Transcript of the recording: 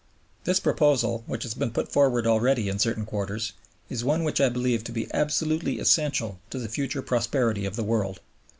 This proposal, which has been put forward already in certain quarters, is one which I believe to be absolutely essential to the future prosperity of the world.